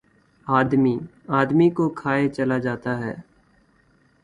آدمی، آدمی کو کھائے چلا جاتا ہے